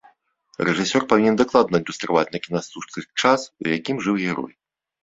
Рэжысёр павінен дакладна адлюстраваць на кінастужцы час, у якім жыў герой.